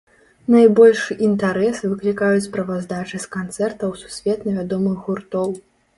Найбольшы інтарэс выклікаюць справаздачы з канцэртаў сусветна вядомых гуртоў.